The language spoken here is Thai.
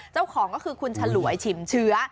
เจ้าของก็คือคุณฉลวยฉิมเชื้อ